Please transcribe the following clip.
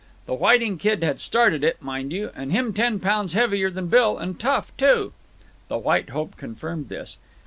The Whiting kid had started it, mind you, and him ten pounds heavier than Bill, and tough, too." The White Hope confirmed this.